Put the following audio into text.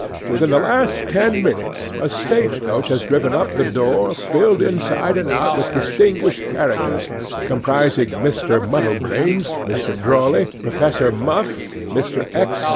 Within the last ten minutes a stage coach has driven up to the door, filled inside and out with distinguished characters, comprising Mr. Muddlebranes, Mr. Drawley, Professor Muff, Mr. X.